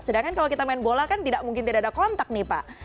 sedangkan kalau kita main bola kan tidak mungkin tidak ada kontak nih pak